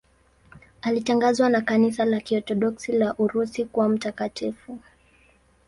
Alitangazwa na Kanisa la Kiorthodoksi la Urusi kuwa mtakatifu.